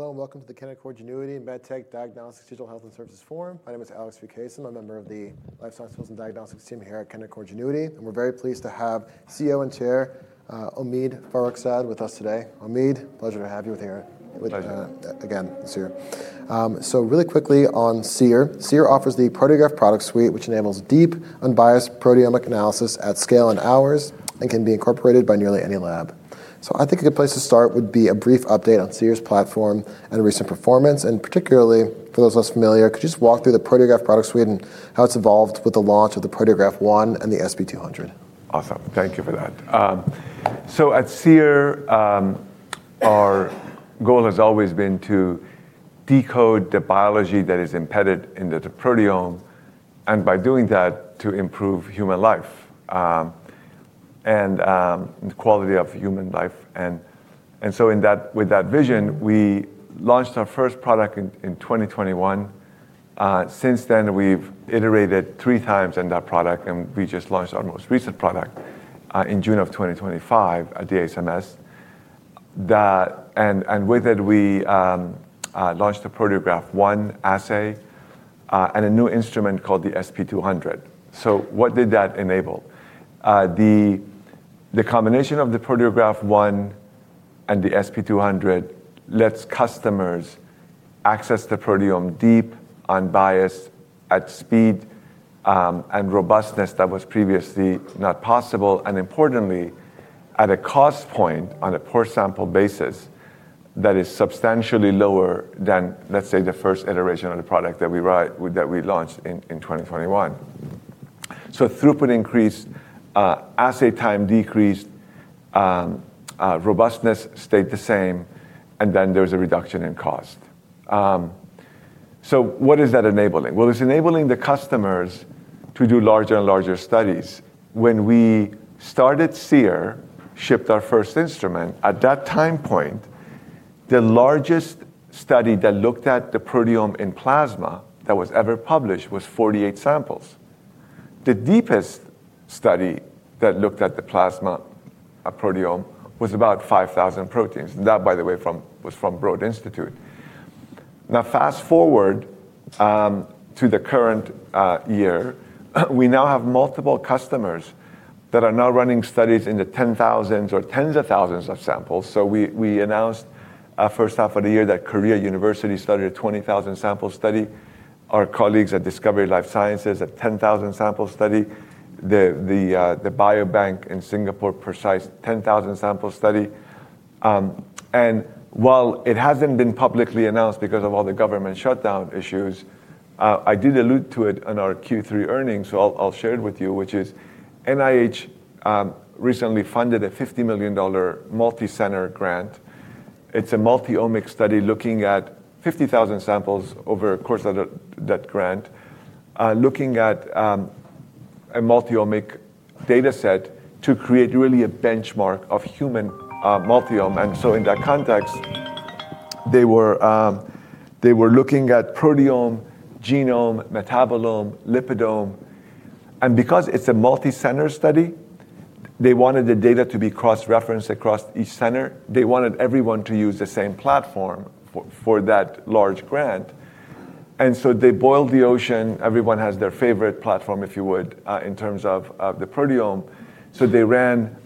Hello, and welcome to the Canaccord Genuity and MedTech Diagnostics Digital Health and Services Forum. My name is Alex Vukasin. I'm a member of the Life Sciences Health and Diagnostics team here at Canaccord Genuity. We are very pleased to have CEO and Chair Omid Farokhzad with us today. Omid, pleasure to have you here. Pleasure. Again, Seer. Really quickly on Seer. Seer offers the Proteograph Product Suite, which enables deep, unbiased proteomic analysis at scale in hours and can be incorporated by nearly any lab. I think a good place to start would be a brief update on Seer's platform and recent performance. Particularly, for those less familiar, could you just walk through the Proteograph Product Suite and how it's evolved with the launch of the Proteograph ONE and the SP200? Awesome. Thank you for that. At Seer, our goal has always been to decode the biology that is embedded in the proteome, and by doing that, to improve human life and the quality of human life. With that vision, we launched our first product in 2021. Since then, we've iterated three times on that product. We just launched our most recent product in June of 2025 at ASMS. With it, we launched the Proteograph ONE Assay and a new instrument called the SP200. What did that enable? The combination of the Proteograph ONE and the SP200 lets customers access the proteome deep, unbiased, at speed, and robustness that was previously not possible. Importantly, at a cost point on a per-sample basis that is substantially lower than, let's say, the first iteration of the product that we launched in 2021. Throughput increased, Assay time decreased, robustness stayed the same, and then there was a reduction in cost. What is that enabling? It is enabling the customers to do larger and larger studies. When we started Seer, shipped our first instrument, at that time point, the largest study that looked at the proteome in plasma that was ever published was 48 samples. The deepest study that looked at the plasma proteome was about 5,000 proteins. That, by the way, was from Broad Institute. Fast forward to the current year, we now have multiple customers that are now running studies in the 10,000s or tens of thousands of samples. We announced first half of the year that Korea University started a 20,000-sample study. Our colleagues at Discovery Life Sciences had a 10,000-sample study. The biobank in Singapore precised a 10,000-sample study. While it hasn't been publicly announced because of all the government shutdown issues, I did allude to it on our Q3 earnings, so I'll share it with you, which is NIH recently funded a $50 million multi-center grant. It's a multi-omic study looking at 50,000 samples over a course of that grant, looking at a multi-omic data set to create really a benchmark of human multiome. In that context, they were looking at proteome, genome, metabolome, lipidome. Because it's a multi-center study, they wanted the data to be cross-referenced across each center. They wanted everyone to use the same platform for that large grant. They boiled the ocean. Everyone has their favorite platform, if you would, in terms of the proteome. They ran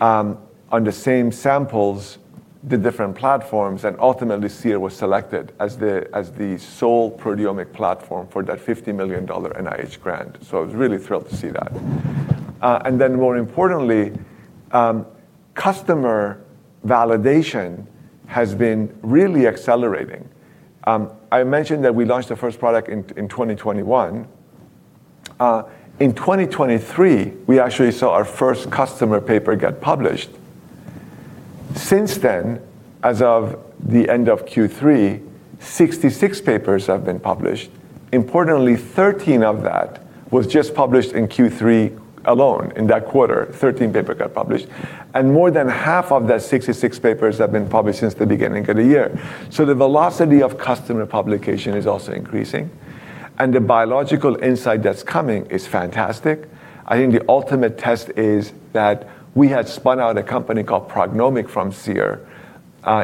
on the same samples the different platforms. Ultimately, Seer was selected as the sole proteomic platform for that $50 million NIH grant. I was really thrilled to see that. More importantly, customer validation has been really accelerating. I mentioned that we launched the first product in 2021. In 2023, we actually saw our first customer paper get published. Since then, as of the end of Q3, 66 papers have been published. Importantly, 13 of those were just published in Q3 alone in that quarter. 13 papers got published. More than half of those 66 papers have been published since the beginning of the year. The velocity of customer publication is also increasing. The biological insight that is coming is fantastic. I think the ultimate test is that we had spun out a company called PrognomiQ from Seer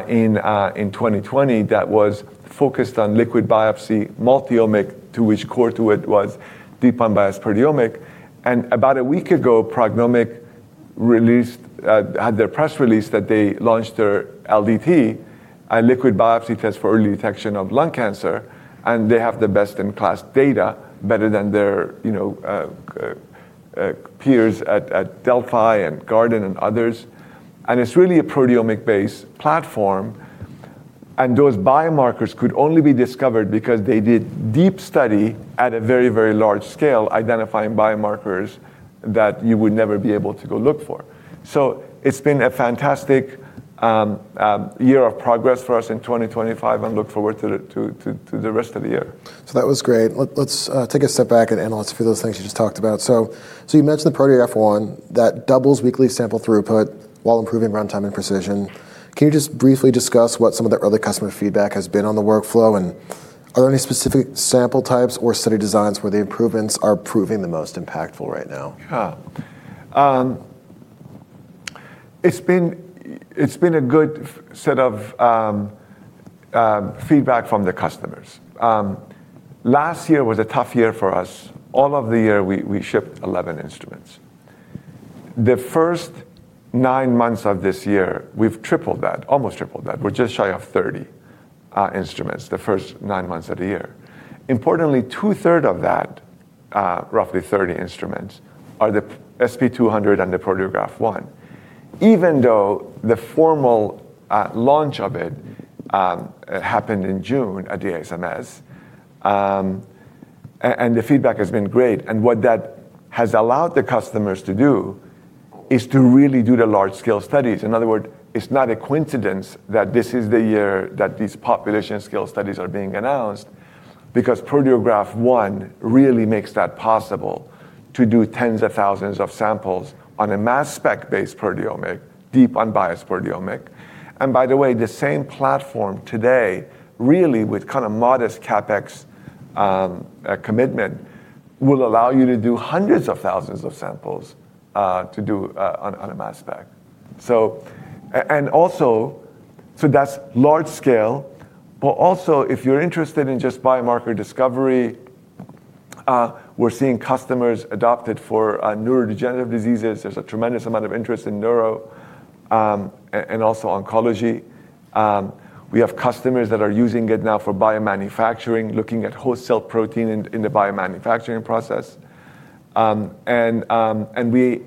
in 2020 that was focused on liquid biopsy, multi-omic, to which core to it was deep, unbiased proteomic. About a week ago, PrognomiQ had their press release that they launched their LDT, a liquid biopsy test for early detection of lung cancer. They have the best-in-class data, better than their peers at Delphi and Guardant and others. It is really a proteomic-based platform. Those biomarkers could only be discovered because they did deep study at a very, very large scale, identifying biomarkers that you would never be able to go look for. It has been a fantastic year of progress for us in 2025. I look forward to the rest of the year. That was great. Let's take a step back and let's look at those things you just talked about. You mentioned the Proteograph ONE, that doubles weekly sample throughput while improving runtime and precision. Can you just briefly discuss what some of the early customer feedback has been on the workflow? Are there any specific sample types or study designs where the improvements are proving the most impactful right now? Yeah. It's been a good set of feedback from the customers. Last year was a tough year for us. All of the year, we shipped 11 instruments. The first nine months of this year, we've tripled that, almost tripled that. We're just shy of 30 instruments the first nine months of the year. Importantly, 2/3 of that, roughly 30 instruments, are the SP200 and the Proteograph ONE, even though the formal launch of it happened in June at ASMS. The feedback has been great. What that has allowed the customers to do is to really do the large-scale studies. In other words, it's not a coincidence that this is the year that these population-scale studies are being announced, because Proteograph ONE really makes that possible to do tens of thousands of samples on a mass-spec-based proteomic, deep, unbiased proteomic. By the way, the same platform today, really, with kind of modest CapEx commitment, will allow you to do hundreds of thousands of samples to do on a mass spec. Also, that's large scale. If you're interested in just biomarker discovery, we're seeing customers adopt it for neurodegenerative diseases. There's a tremendous amount of interest in neuro and also oncology. We have customers that are using it now for biomanufacturing, looking at wholesale protein in the biomanufacturing process.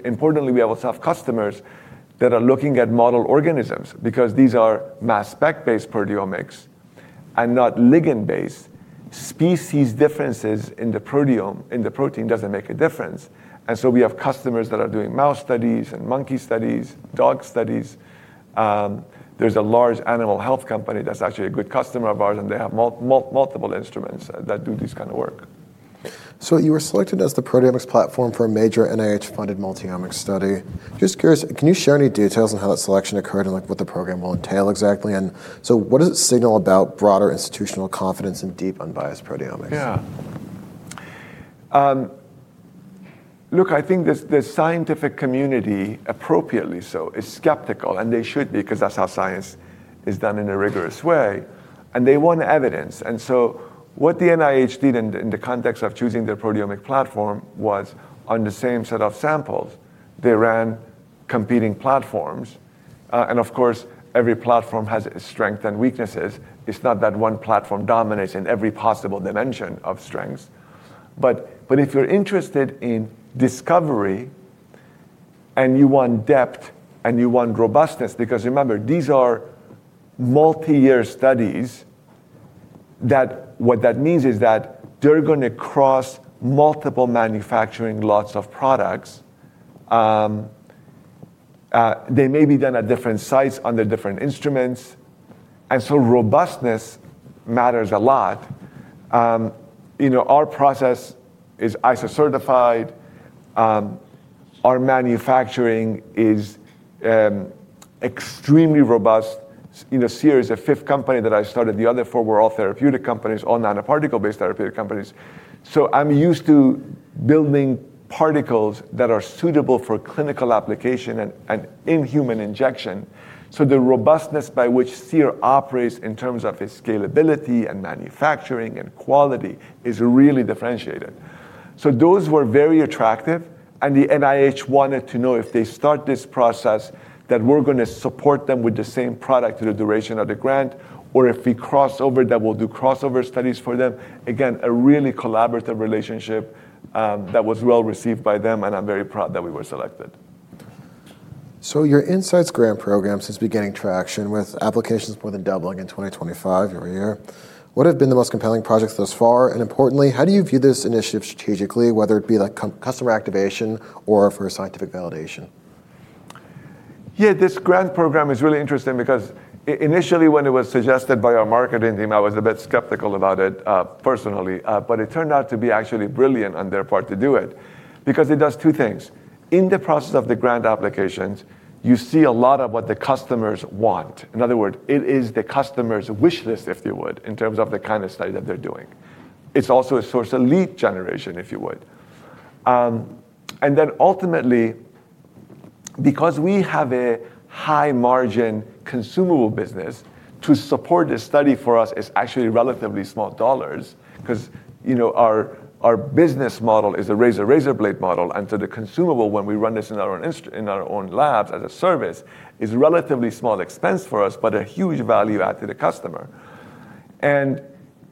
Importantly, we also have customers that are looking at model organisms, because these are mass-spec-based proteomics and not ligand-based. Species differences in the protein doesn't make a difference. We have customers that are doing mouse studies and monkey studies, dog studies. There's a large animal health company that's actually a good customer of ours. They have multiple instruments that do this kind of work. You were selected as the proteomics platform for a major NIH-funded multi-omic study. Just curious, can you share any details on how that selection occurred and what the program will entail exactly? What does it signal about broader institutional confidence in deep, unbiased proteomics? Yeah. Look, I think the scientific community, appropriately so, is skeptical. They should be, because that's how science is done in a rigorous way. They want evidence. What the NIH did in the context of choosing the proteomic platform was, on the same set of samples, they ran competing platforms. Of course, every platform has its strengths and weaknesses. It's not that one platform dominates in every possible dimension of strength. If you're interested in discovery and you want depth and you want robustness, because remember, these are multi-year studies, what that means is that they're going to cross multiple manufacturing lots of products. They may be done at different sites under different instruments. Robustness matters a lot. Our process is ISO-certified. Our manufacturing is extremely robust. Seer is a fifth company that I started. The other four were all therapeutic companies, all nanoparticle-based therapeutic companies. I'm used to building particles that are suitable for clinical application and in-human injection. The robustness by which Seer operates in terms of its scalability and manufacturing and quality is really differentiated. Those were very attractive. The NIH wanted to know if they start this process, that we're going to support them with the same product through the duration of the grant, or if we cross over, that we'll do crossover studies for them. Again, a really collaborative relationship that was well received by them. I'm very proud that we were selected. Your Insights Grant Program has been gaining traction with applications more than doubling in 2025 every year. What have been the most compelling projects thus far? Importantly, how do you view this initiative strategically, whether it be customer activation or for scientific validation? Yeah, this grant program is really interesting, because initially, when it was suggested by our marketing team, I was a bit skeptical about it personally. It turned out to be actually brilliant on their part to do it, because it does two things. In the process of the grant applications, you see a lot of what the customers want. In other words, it is the customer's wish list, if you would, in terms of the kind of study that they're doing. It's also a source of lead generation, if you would. Ultimately, because we have a high-margin consumable business, to support this study for us is actually relatively small dollars, because our business model is a razor-razor blade model. The consumable, when we run this in our own labs as a service, is a relatively small expense for us, but a huge value add to the customer. It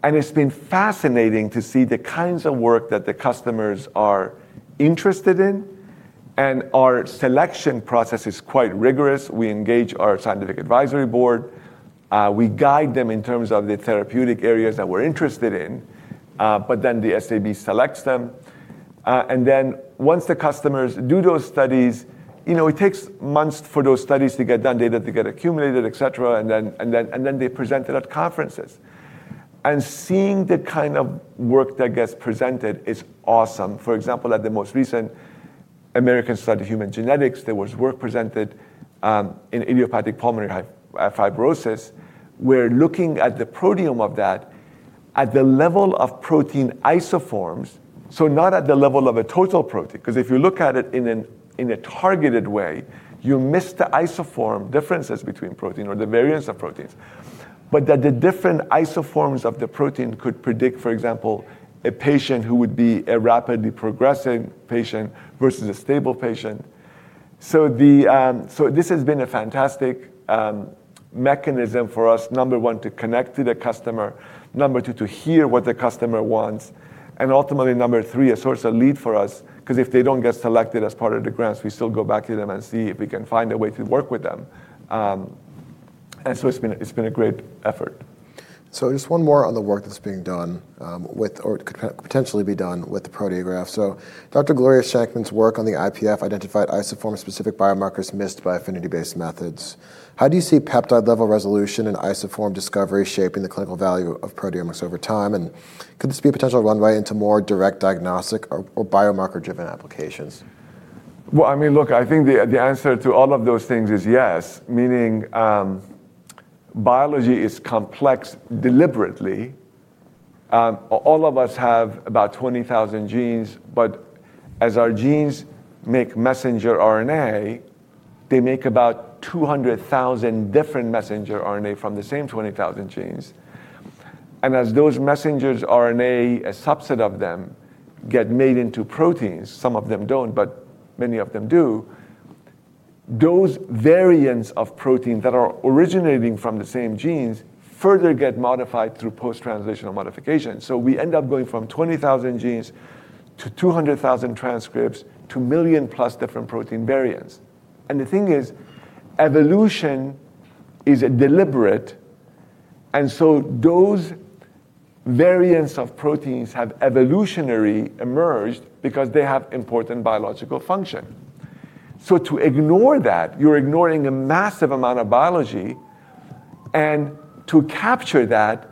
has been fascinating to see the kinds of work that the customers are interested in. Our selection process is quite rigorous. We engage our scientific advisory board. We guide them in terms of the therapeutic areas that we are interested in. The SAB selects them. Once the customers do those studies, it takes months for those studies to get done, data to get accumulated, et cetera. They present it at conferences. Seeing the kind of work that gets presented is awesome. For example, at the most recent American study of human genetics, there was work presented in idiopathic pulmonary fibrosis. We're looking at the proteome of that at the level of protein isoforms, so not at the level of a total protein. Because if you look at it in a targeted way, you miss the isoform differences between protein or the variance of proteins. That the different isoforms of the protein could predict, for example, a patient who would be a rapidly progressing patient versus a stable patient. This has been a fantastic mechanism for us, number one, to connect to the customer, number two, to hear what the customer wants, and ultimately, number three, a source of lead for us, because if they don't get selected as part of the grants, we still go back to them and see if we can find a way to work with them. It has been a great effort. Just one more on the work that's being done or could potentially be done with the Proteograph. Dr. Gloria Shankman's work on the IPF identified isoform-specific biomarkers missed by affinity-based methods. How do you see peptide-level resolution and isoform discovery shaping the clinical value of proteomics over time? Could this be a potential runway into more direct diagnostic or biomarker-driven applications? I mean, look, I think the answer to all of those things is yes, meaning biology is complex deliberately. All of us have about 20,000 genes. But as our genes make messenger RNA, they make about 200,000 different messenger RNA from the same 20,000 genes. As those messenger RNA, a subset of them, get made into proteins, some of them don't, but many of them do, those variants of protein that are originating from the same genes further get modified through post-translational modification. We end up going from 20,000 genes to 200,000 transcripts to a million-plus different protein variants. The thing is, evolution is deliberate. Those variants of proteins have evolutionarily emerged because they have important biological function. To ignore that, you're ignoring a massive amount of biology. To capture that,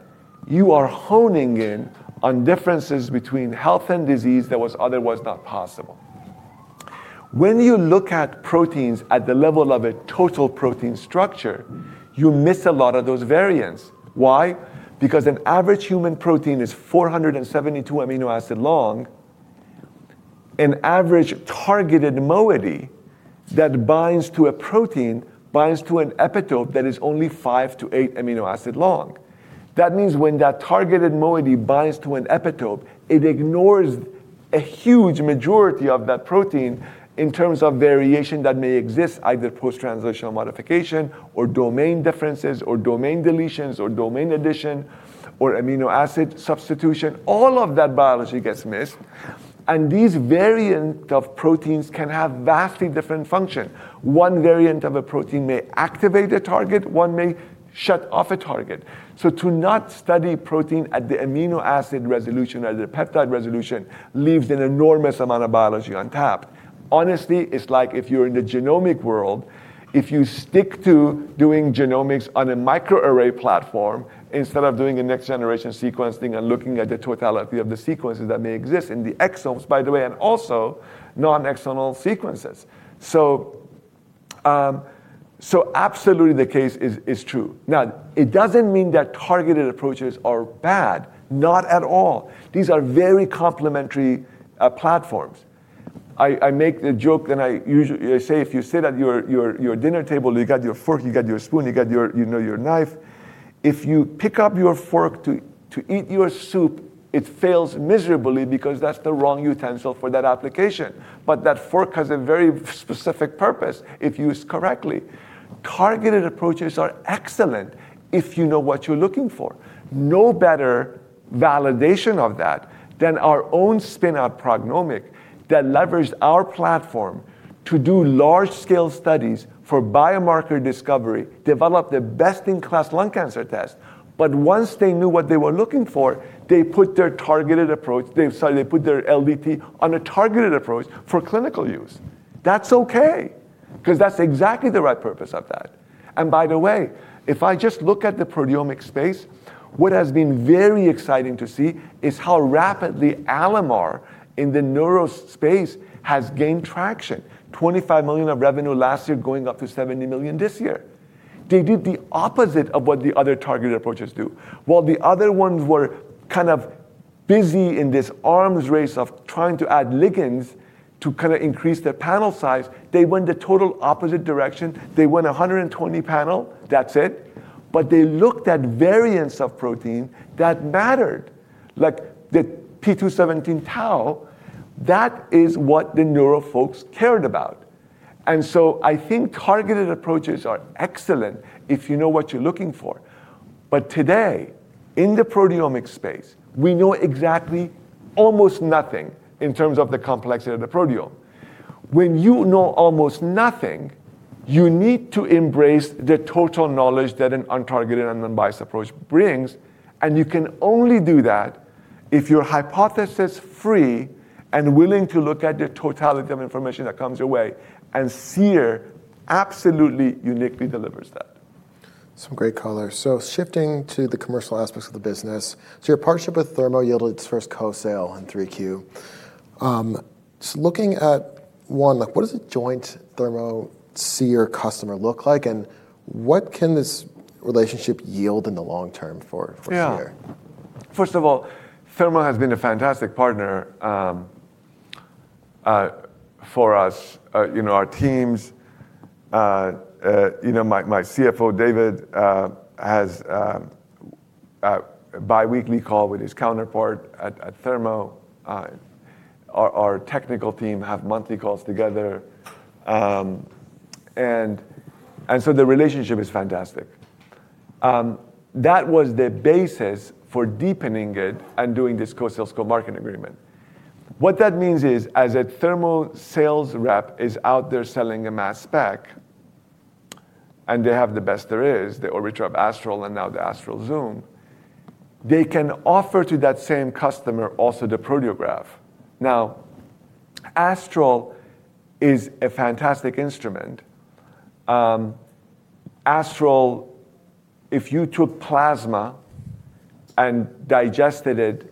you are honing in on differences between health and disease that was otherwise not possible. When you look at proteins at the level of a total protein structure, you miss a lot of those variants. Why? Because an average human protein is 472 amino acids long. An average targeted ModE that binds to a protein binds to an epitope that is only five to eight amino acids long. That means when that targeted ModE binds to an epitope, it ignores a huge majority of that protein in terms of variation that may exist, either post-translational modification or domain differences or domain deletions or domain addition or amino acid substitution. All of that biology gets missed. These variants of proteins can have vastly different functions. One variant of a protein may activate a target. One may shut off a target. To not study protein at the amino acid resolution or the peptide resolution leaves an enormous amount of biology untapped. Honestly, it's like if you're in the genomic world, if you stick to doing genomics on a microarray platform instead of doing a next-generation sequencing and looking at the totality of the sequences that may exist in the exomes, by the way, and also non-exomal sequences. Absolutely, the case is true. It doesn't mean that targeted approaches are bad. Not at all. These are very complementary platforms. I make the joke that I usually say, if you sit at your dinner table, you've got your fork, you've got your spoon, you've got your knife. If you pick up your fork to eat your soup, it fails miserably because that's the wrong utensil for that application. That fork has a very specific purpose if used correctly. Targeted approaches are excellent if you know what you're looking for. No better validation of that than our own spin-out PrognomiQ that leveraged our platform to do large-scale studies for biomarker discovery, develop the best-in-class lung cancer test. Once they knew what they were looking for, they put their targeted approach. They put their LDT on a targeted approach for clinical use. That's OK, because that's exactly the right purpose of that. By the way, if I just look at the proteomic space, what has been very exciting to see is how rapidly eLemur in the neuro space has gained traction, $25 million of revenue last year going up to $70 million this year. They did the opposite of what the other targeted approaches do. While the other ones were kind of busy in this arms race of trying to add ligands to kind of increase their panel size, they went the total opposite direction. They went 120 panel. That's it. But they looked at variants of protein that mattered, like the p217+tau. That is what the neuro folks cared about. I think targeted approaches are excellent if you know what you're looking for. Today, in the proteomic space, we know exactly almost nothing in terms of the complexity of the proteome. When you know almost nothing, you need to embrace the total knowledge that an untargeted and unbiased approach brings. You can only do that if you're hypothesis-free and willing to look at the totality of information that comes your way. Seer absolutely uniquely delivers that. Some great colors. Shifting to the commercial aspects of the business, your partnership with Thermo yielded its first co-sale in 3Q. Just looking at one, what does a joint Thermo-Seer customer look like? What can this relationship yield in the long term for Seer? Yeah. First of all, Thermo has been a fantastic partner for us, our teams. My CFO, David, has a biweekly call with his counterpart at Thermo. Our technical team have monthly calls together. The relationship is fantastic. That was the basis for deepening it and doing this co-sale/co-market agreement. What that means is, as a Thermo sales rep is out there selling a mass spec, and they have the best there is, the Orbitrap of Astral and now the Astral Zoom, they can offer to that same customer also the Proteograph. Now, Astral is a fantastic instrument. Astral, if you took plasma and digested it,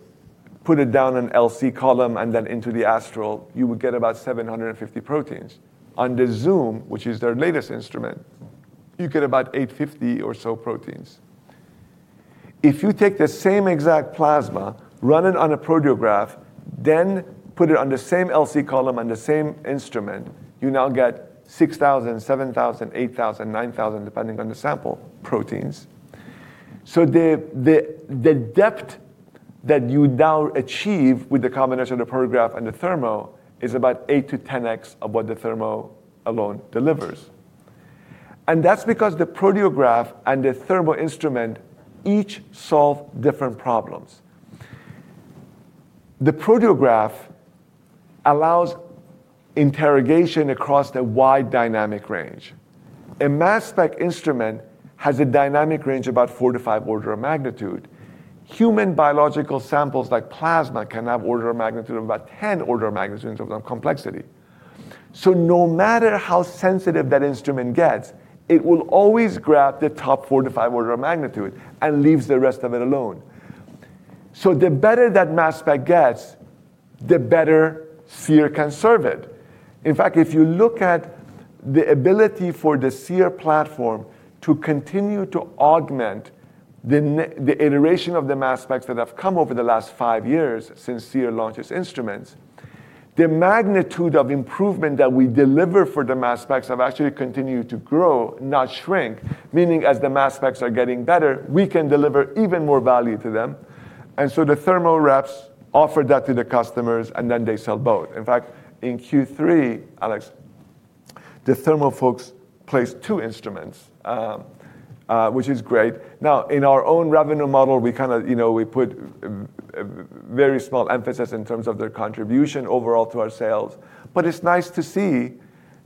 put it down an LC column, and then into the Astral, you would get about 750 proteins. On the Zoom, which is their latest instrument, you get about 850 or so proteins. If you take the same exact plasma, run it on a Proteograph, then put it on the same LC column on the same instrument, you now get 6,000, 7,000, 8,000, 9,000, depending on the sample proteins. The depth that you now achieve with the combination of the Proteograph and the Thermo is about 8x-10x of what the Thermo alone delivers. That is because the Proteograph and the Thermo instrument each solve different problems. The Proteograph allows interrogation across the wide dynamic range. A mass spec instrument has a dynamic range of about four to five orders of magnitude. Human biological samples like plasma can have orders of magnitude of about 10 orders of magnitude in terms of complexity. No matter how sensitive that instrument gets, it will always grab the top four to five orders of magnitude and leaves the rest of it alone. The better that mass spec gets, the better Seer can serve it. In fact, if you look at the ability for the Seer platform to continue to augment the iteration of the mass specs that have come over the last five years since Seer launched its instruments, the magnitude of improvement that we deliver for the mass specs has actually continued to grow, not shrink, meaning as the mass specs are getting better, we can deliver even more value to them. The Thermo reps offer that to the customers, and then they sell both. In fact, in Q3, Alex, the Thermo folks placed two instruments, which is great. In our own revenue model, we kind of put very small emphasis in terms of their contribution overall to our sales. It's nice to see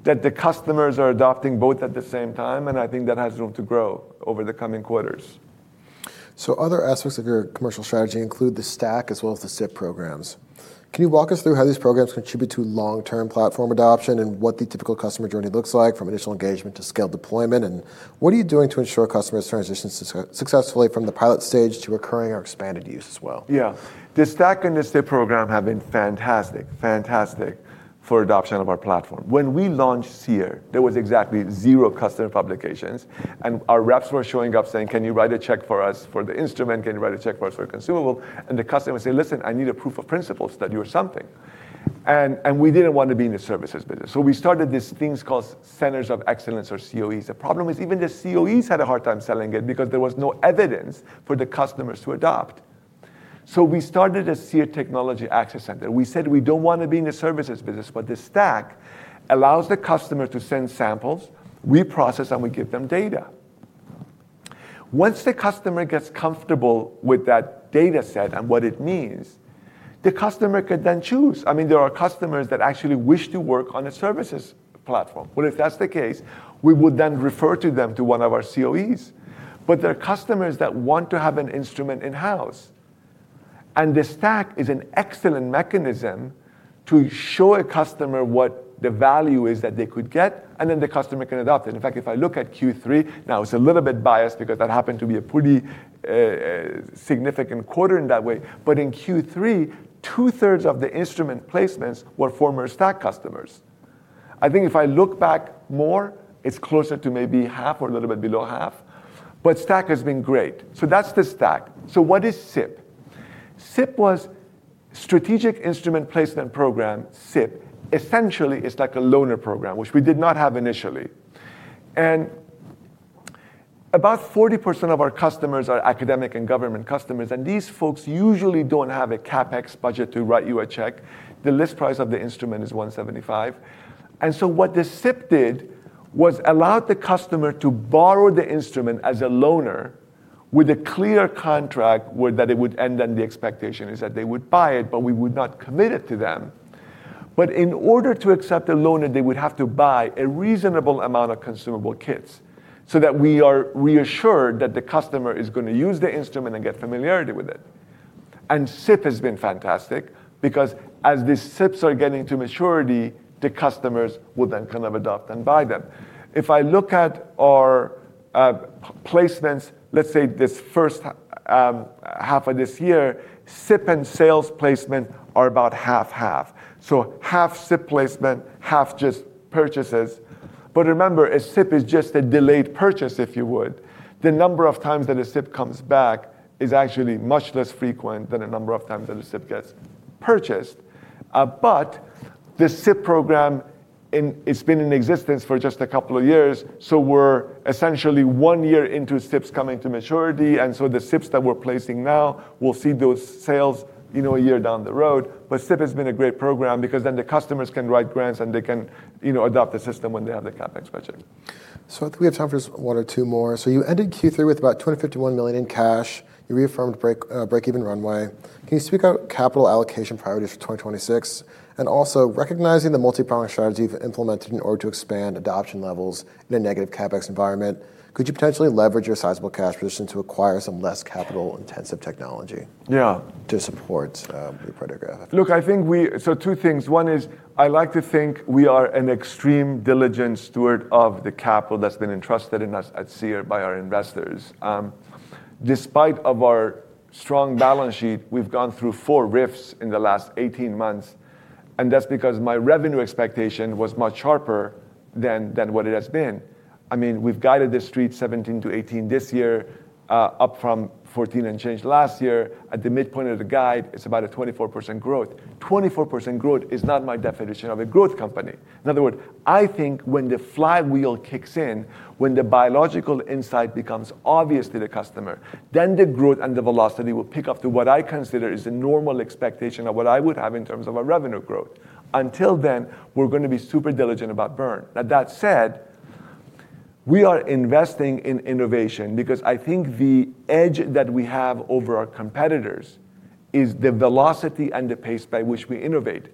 that the customers are adopting both at the same time. I think that has room to grow over the coming quarters. Other aspects of your commercial strategy include the stack as well as the SIP programs. Can you walk us through how these programs contribute to long-term platform adoption and what the typical customer journey looks like from initial engagement to scaled deployment? What are you doing to ensure customers transition successfully from the pilot stage to recurring or expanded use as well? Yeah. The stack and the SIP program have been fantastic, fantastic for adoption of our platform. When we launched Seer, there was exactly zero customer publications. Our reps were showing up saying, can you write a check for us for the instrument? Can you write a check for us for consumables? The customer would say, listen, I need a proof of principle study or something. We did not want to be in the services business. We started these things called Centers of Excellence or COEs. The problem is even the COEs had a hard time selling it because there was no evidence for the customers to adopt. We started a Seer Technology Access Center. We said we do not want to be in the services business, but the stack allows the customer to send samples, we process, and we give them data. Once the customer gets comfortable with that data set and what it means, the customer could then choose. I mean, there are customers that actually wish to work on a services platform. If that's the case, we would then refer them to one of our COEs. There are customers that want to have an instrument in-house. The stack is an excellent mechanism to show a customer what the value is that they could get, and then the customer can adopt it. In fact, if I look at Q3, now it's a little bit biased because that happened to be a pretty significant quarter in that way. In Q3, 2/3 of the instrument placements were former stack customers. I think if I look back more, it's closer to maybe half or a little bit below half. Stack has been great. That is the stack. What is SIP? SIP was Strategic Instrument Placement program. SIP essentially is like a loaner program, which we did not have initially. About 40% of our customers are academic and government customers. These folks usually do not have a CapEx budget to write you a check. The list price of the instrument is $175,000. What the SIP did was allow the customer to borrow the instrument as a loaner with a clear contract where it would end in the expectation that they would buy it, but we would not commit it to them. In order to accept a loaner, they would have to buy a reasonable amount of consumable kits so that we are reassured that the customer is going to use the instrument and get familiarity with it. SIP has been fantastic because as the SIPs are getting to maturity, the customers will then kind of adopt and buy them. If I look at our placements, let's say this first half of this year, SIP and sales placement are about 50/50. Half SIP placement, half just purchases. Remember, a SIP is just a delayed purchase, if you would. The number of times that a SIP comes back is actually much less frequent than the number of times that a SIP gets purchased. The SIP program, it's been in existence for just a couple of years. We're essentially one year into SIPs coming to maturity. The SIPs that we're placing now will see those sales a year down the road. SIP has been a great program because then the customers can write grants and they can adopt the system when they have the CapEx budget. I think we have time for just one or two more. You ended Q3 with about $251 million in cash. You reaffirmed break-even runway. Can you speak about capital allocation priorities for 2026? Also, recognizing the multi-pronged strategy you've implemented in order to expand adoption levels in a negative CapEx environment, could you potentially leverage your sizable cash position to acquire some less capital-intensive technology? Yeah. To support the Proteograph? Look, I think we see two things. One is I like to think we are an extremely diligent steward of the capital that's been entrusted in us at Seer by our investors. Despite our strong balance sheet, we've gone through four rifts in the last 18 months. That's because my revenue expectation was much sharper than what it has been. I mean, we've guided the street $17 million-$18 million this year, up from $14 million and change last year. At the midpoint of the guide, it's about a 24% growth. 24% growth is not my definition of a growth company. In other words, I think when the flywheel kicks in, when the biological insight becomes obvious to the customer, the growth and the velocity will pick up to what I consider is the normal expectation of what I would have in terms of our revenue growth. Until then, we're going to be super diligent about burn. Now, that said, we are investing in innovation because I think the edge that we have over our competitors is the velocity and the pace by which we innovate.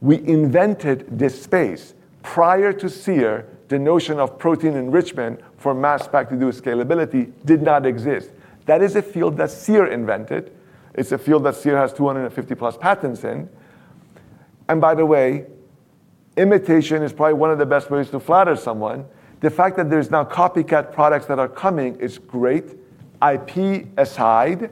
We invented this space. Prior to Seer, the notion of protein enrichment for mass spec to do with scalability did not exist. That is a field that Seer invented. It's a field that Seer has 250+ patents in. By the way, imitation is probably one of the best ways to flatter someone. The fact that there's now copycat products that are coming is great. IP aside,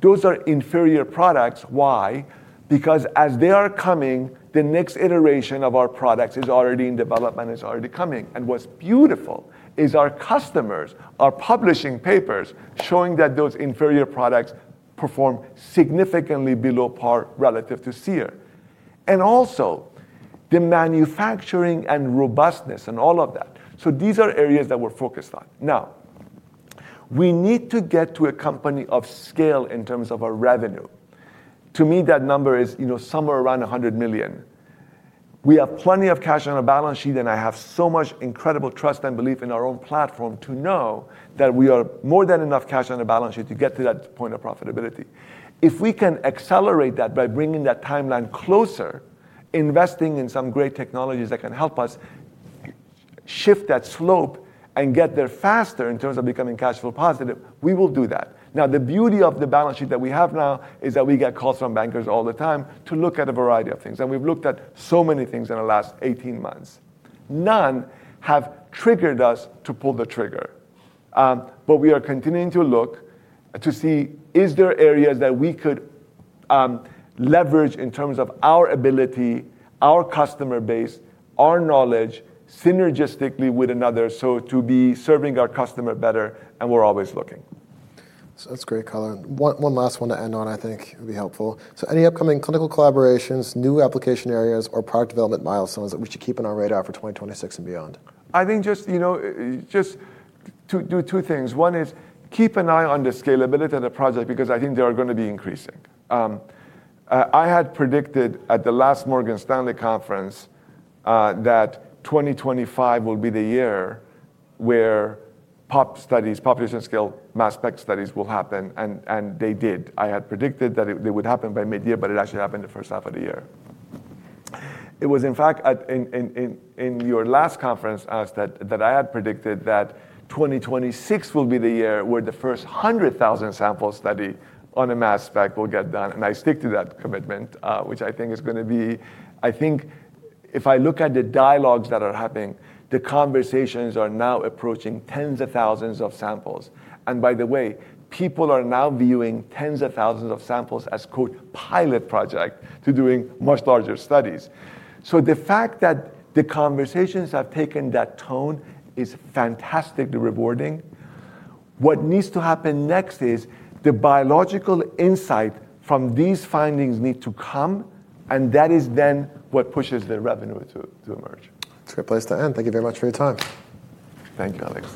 those are inferior products. Why? Because as they are coming, the next iteration of our products is already in development and is already coming. What's beautiful is our customers are publishing papers showing that those inferior products perform significantly below par relative to Seer. Also, the manufacturing and robustness and all of that. These are areas that we're focused on. Now, we need to get to a company of scale in terms of our revenue. To me, that number is somewhere around $100 million. We have plenty of cash on our balance sheet, and I have so much incredible trust and belief in our own platform to know that we are more than enough cash on our balance sheet to get to that point of profitability. If we can accelerate that by bringing that timeline closer, investing in some great technologies that can help us shift that slope and get there faster in terms of becoming cash flow positive, we will do that. Now, the beauty of the balance sheet that we have now is that we get calls from bankers all the time to look at a variety of things. We have looked at so many things in the last 18 months. None have triggered us to pull the trigger. We are continuing to look to see if there are areas that we could leverage in terms of our ability, our customer base, our knowledge synergistically with another to be serving our customer better. We are always looking. That's great comment. One last one to end on, I think, would be helpful. Any upcoming clinical collaborations, new application areas, or product development milestones that we should keep in our radar for 2026 and beyond? I think just to do two things. One is keep an eye on the scalability of the project because I think they are going to be increasing. I had predicted at the last Morgan Stanley conference that 2025 will be the year where pop studies, population scale mass spec studies, will happen. They did. I had predicted that they would happen by mid-year, but it actually happened the first half of the year. It was, in fact, in your last conference that I had predicted that 2026 will be the year where the first 100,000 sample study on a mass spec will get done. I stick to that commitment, which I think is going to be, I think if I look at the dialogues that are happening, the conversations are now approaching tens of thousands of samples. By the way, people are now viewing tens of thousands of samples as, quote, "pilot project" to doing much larger studies. The fact that the conversations have taken that tone is fantastically rewarding. What needs to happen next is the biological insight from these findings need to come. That is then what pushes the revenue to emerge. It's a great place to end. Thank you very much for your time. Thank you, Alex.